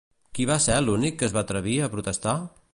Qui va ser l'únic que es va atrevir a protestar?